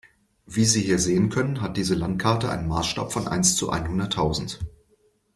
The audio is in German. Wie wir hier sehen können, hat diese Landkarte einen Maßstab von eins zu einhunderttausend.